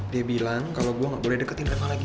dia bilang kalo gue ga boleh deketin reva lagi